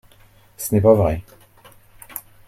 Ce n’est pas vrai.